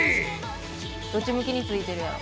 どっち向きに付いてるやろ？